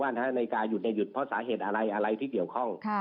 ว่านาฬิกาหยุดนะหยุดสาเหตุอะไรอะไรที่เกี่ยวข้อง